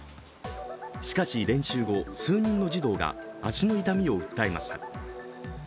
しかし、練習後数人の児童が足の痛みを訴えました。